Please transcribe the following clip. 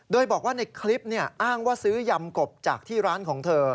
โดยบอกว่าในคลิปอ้างว่าซื้อยำกบจากที่ร้านของเธอ